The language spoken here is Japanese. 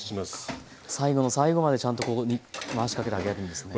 最後の最後までちゃんとここに回しかけてあげるんですね。